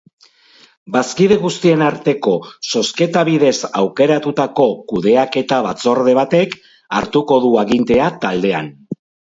Bazkide guztien arteko zozketa bidez aukeratutako kudeaketa batzorde batek hartuko du agintea taldean.